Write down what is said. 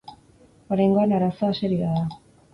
Oraingoan arazoa serioa da.